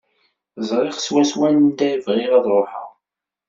Ẓriɣ swaswa anda bɣiɣ ad ruḥeɣ.